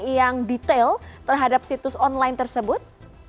yang detail terhadap situs online tersebut